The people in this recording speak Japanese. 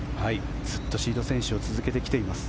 ずっとシード選手を続けてきています。